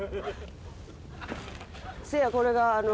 せいやこれがあの。